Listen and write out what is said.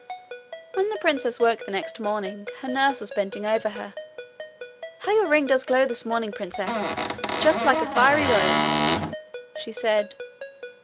When the princess woke the next morning, her nurse was bending over her. 'How your ring does glow this morning, princess! just like a fiery rose!' she said.